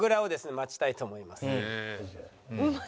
待ちたいと思います。